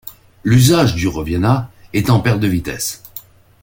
L'usage du roviana est en perte de vitesse.